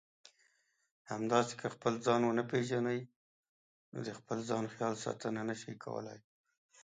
همداسې که خپل ځان ونه پېژنئ نو د خپل ځان خیال ساتنه نشئ کولای.